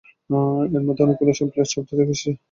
এর মধ্যে অনেকগুলিই প্লেট শব্দ থেকে এসেছে।